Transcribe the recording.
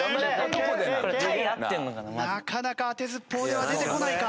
なかなか当てずっぽうでは出てこないか。